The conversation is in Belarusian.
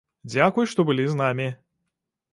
Дзякуй, што былі з намі!